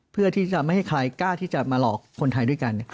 เพื่อที่จะไม่ให้ใครกล้าที่จะมาหลอกคนไทยด้วยกัน